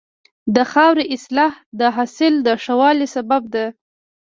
د خاورې اصلاح د حاصل د ښه والي سبب ده.